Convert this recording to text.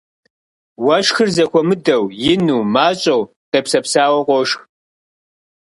Уэшхыр зэхуэмыдэу, ину, мащӀэу, къепсэпсауэу, къошх.